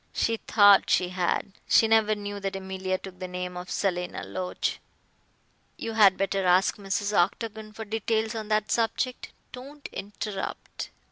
"She thought she had. She never knew that Emilia took the name of Selina Loach. You had better ask Mrs. Octagon for details on that subject. Don't interrupt.